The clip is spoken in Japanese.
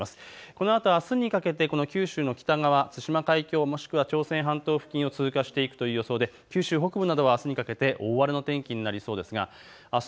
このあとあすにかけて九州の北側、対馬海峡、もしくは朝鮮半島付近を通過していくという予想で九州北部などはあすにかけて大荒れの天気になりそうです。